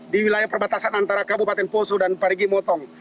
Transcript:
di wilayah perbatasan antara kabupaten poso dan parigi motong